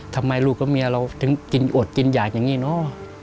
ทำไมลูกกับเมียเราถึงอดกินอย่างนี้เนอะ